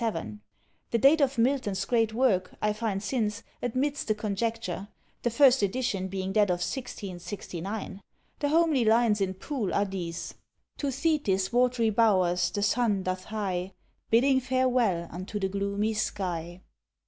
The date of Milton's great work, I find since, admits the conjecture: the first edition being that of 1669. The homely lines in Poole are these, To Thetis' watery bowers the sun doth hie, BIDDING FAREWELL unto the gloomy sky.